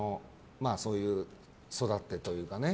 そう育ってというかね。